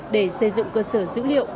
để xây dựng cơ sở dữ liệu